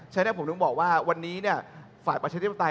ฉะนั้นผมถึงบอกว่าวันนี้ฝ่ายประชาธิปไตย